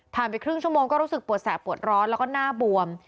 ไปครึ่งชั่วโมงก็รู้สึกปวดแสบปวดร้อนแล้วก็หน้าบวม